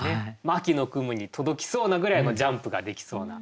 秋の雲に届きそうなぐらいジャンプができそうな。